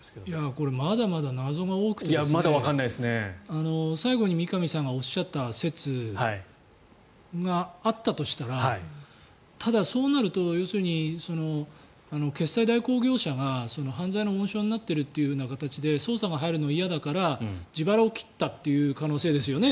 これ、まだまだ謎が多くて最後に三上さんがおっしゃった説があったとしたらただ、そうなると要するに決済代行業者が犯罪の温床になっているという形で捜査が入るのが嫌だから自腹を切ったという可能性ですよね